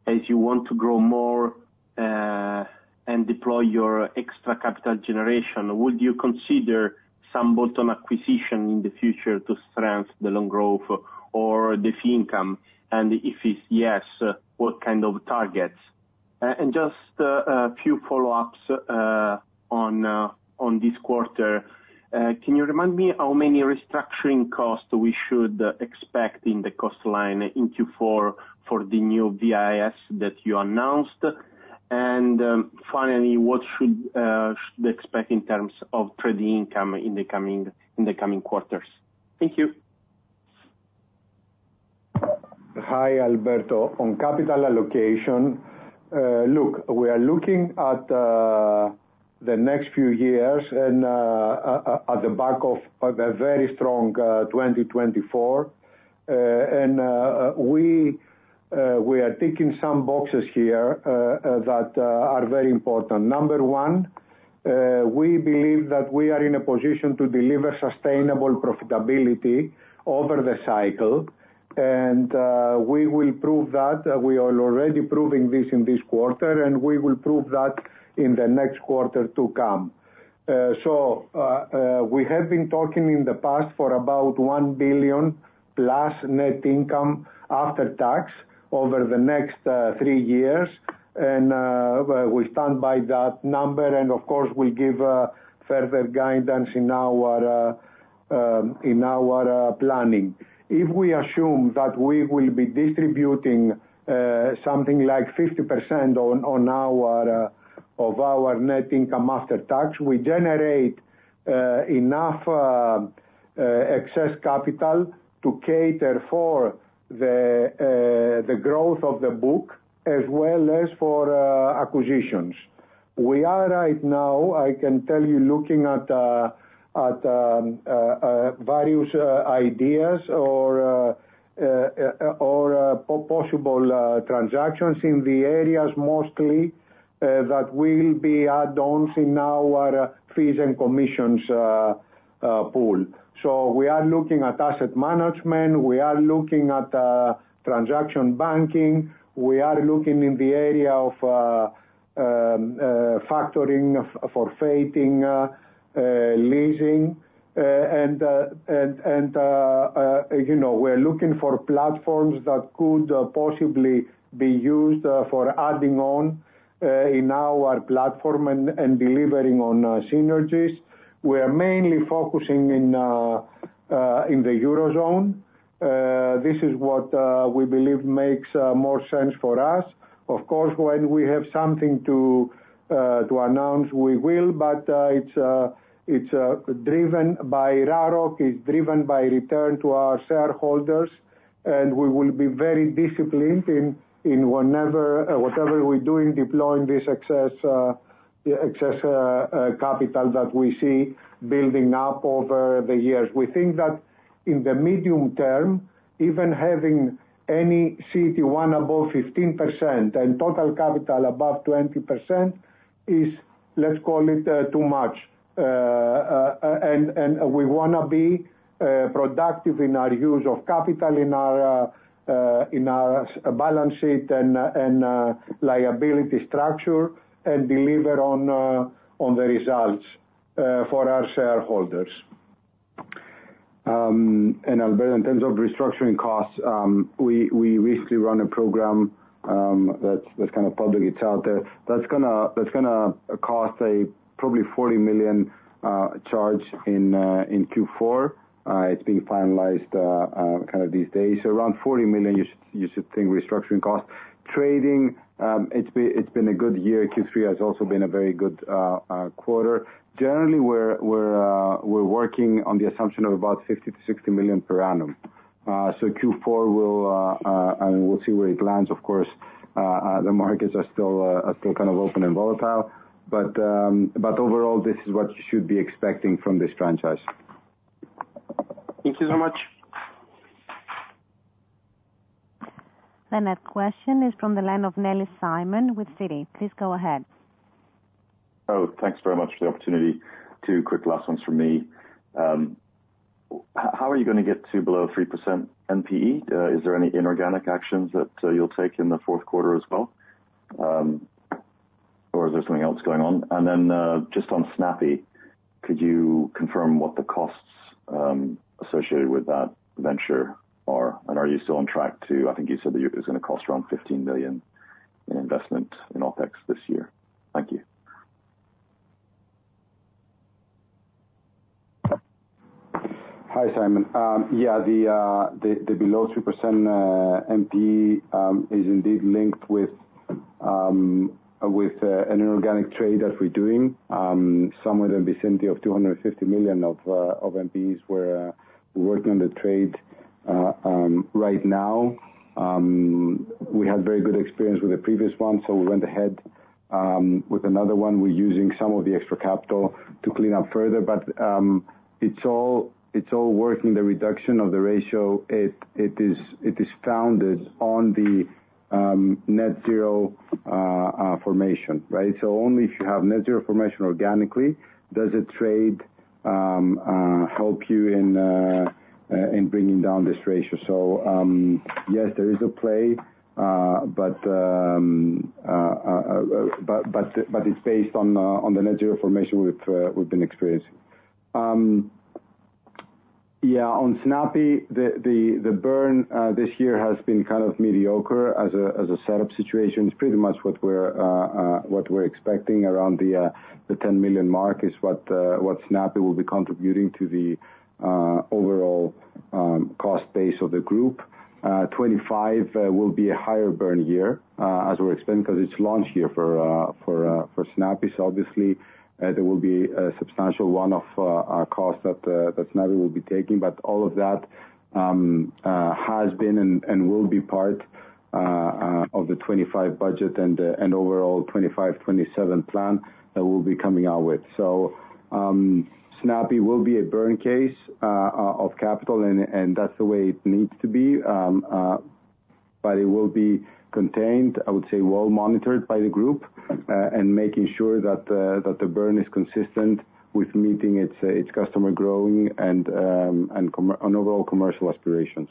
As you want to grow more and deploy your extra capital generation, would you consider some bolt-on acquisition in the future to strengthen the loan growth or the fee income? And if yes, what kind of targets? And just a few follow-ups on this quarter. Can you remind me how many restructuring costs we should expect in the cost line in Q4 for the new VES that you announced? And finally, what should we expect in terms of trading income in the coming quarters? Thank you. Hi, Alberto. On capital allocation, look, we are looking at the next few years and at the back of a very strong 2024. And we are ticking some boxes here that are very important. Number one, we believe that we are in a position to deliver sustainable profitability over the cycle, and we will prove that. We are already proving this in this quarter, and we will prove that in the next quarter to come. So we have been talking in the past for about 1+ billion net income after tax over the next three years, and we stand by that number. And of course, we'll give further guidance in our planning. If we assume that we will be distributing something like 50% of our net income after tax, we generate enough excess capital to cater for the growth of the book as well as for acquisitions. We are right now, I can tell you, looking at various ideas or possible transactions in the areas mostly that will be add-ons in our fees and commissions pool. So we are looking at asset management. We are looking at transaction banking. We are looking in the area of factoring, forfaiting, and leasing. And we are looking for platforms that could possibly be used for adding on in our platform and delivering on synergies. We are mainly focusing in the Eurozone. This is what we believe makes more sense for us. Of course, when we have something to announce, we will, but it's driven by RAROC, is driven by return to our shareholders, and we will be very disciplined in whatever we're doing, deploying this excess capital that we see building up over the years. We think that in the medium term, even having any CET1 above 15% and total capital above 20% is, let's call it, too much. And we want to be productive in our use of capital in our balance sheet and liability structure and deliver on the results for our shareholders. And Alberto, in terms of restructuring costs, we recently run a program that's kind of public. It's out there. That's going to cost a probably 40 million charge in Q4. It's being finalized kind of these days. So around 40 million, you should think, restructuring cost. Trading, it's been a good year. Q3 has also been a very good quarter. Generally, we're working on the assumption of about 50 million-60 million per annum. Q4, and we'll see where it lands. Of course, the markets are still kind of open and volatile. But overall, this is what you should be expecting from this franchise. Thank you so much. The next question is from the line of Simon Nellis with Citi. Please go ahead. Oh, thanks very much for the opportunity. Two quick last ones from me. How are you going to get to below 3% NPE? Is there any inorganic actions that you'll take in the fourth quarter as well, or is there something else going on? And then just on Snappi, could you confirm what the costs associated with that venture are? And are you still on track to, I think you said it was going to cost around 15 million in investment in OpEx this year? Thank you. Hi, Simon. Yeah, the below 3% NPE is indeed linked with an inorganic trade that we're doing. Somewhere in the vicinity of 250 million of NPEs we're working on the trade right now. We had very good experience with the previous one, so we went ahead with another one. We're using some of the extra capital to clean up further, but it's all working. The reduction of the ratio, it is founded on the net zero formation, right? Only if you have net zero formation organically, does a trade help you in bringing down this ratio? So yes, there is a play, but it's based on the net zero formation we've been experiencing. Yeah, on Snappi, the burn this year has been kind of mediocre as a setup situation. It's pretty much what we're expecting around the 10 million mark is what Snappi will be contributing to the overall cost base of the group. 2025 will be a higher burn year as we're expecting because it's launch year for Snappi. So obviously, there will be a substantial one-off cost that Snappi will be taking. But all of that has been and will be part of the 2025 budget and overall 2025, 2027 plan that we'll be coming out with. So Snappi will be a burn case of capital, and that's the way it needs to be. But it will be contained, I would say, well monitored by the group and making sure that the burn is consistent with meeting its customer growing and overall commercial aspirations.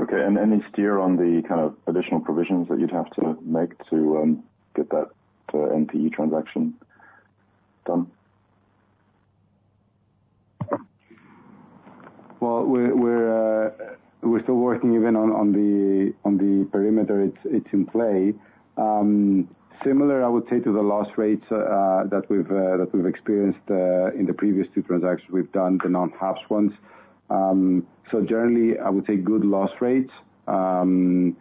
Okay. And any steer on the kind of additional provisions that you'd have to make to get that NPE transaction done? Well, we're still working even on the perimeter. It's in play. Similar, I would say, to the loss rates that we've experienced in the previous two transactions we've done, the non-HAPS ones. So generally, I would say good loss rates, nothing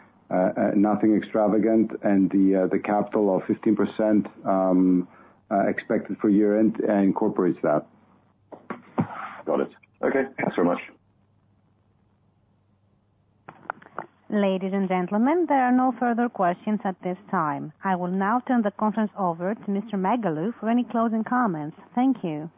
extravagant, and the capital of 15% expected for year-end incorporates that. Got it. Okay. Thanks very much. Ladies and gentlemen, there are no further questions at this time. I will now turn the conference over to Mr. Megalou for any closing comments. Thank you.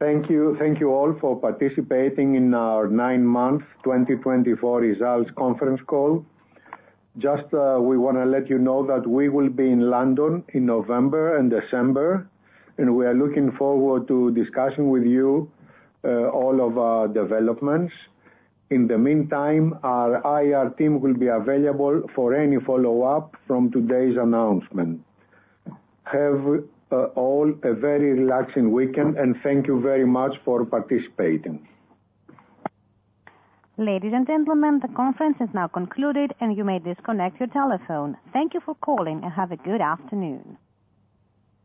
Thank you. Thank you all for participating in our nine-month 2024 results conference call. Just, we want to let you know that we will be in London in November and December, and we are looking forward to discussing with you all of our developments. In the meantime, our IR team will be available for any follow-up from today's announcement. Have all a very relaxing weekend, and thank you very much for participating. Ladies and gentlemen, the conference is now concluded, and you may disconnect your telephone. Thank you for calling and have a good afternoon.